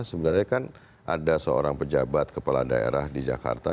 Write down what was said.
sebenarnya kan ada seorang pejabat kepala daerah di jakarta